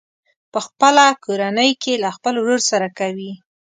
په خپله کورنۍ کې له خپل ورور سره کوي.